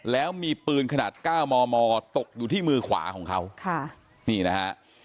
แล้วมีปืนขนาด๙มมตกอยู่ที่มือขวาของเขาค่ะนี่นะฮะ